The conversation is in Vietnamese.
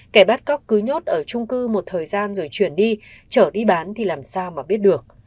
kẻ bắt cóc cứ nhốt ở trung cư một thời gian rồi chuyển đi trở đi bán thì làm sao mà biết được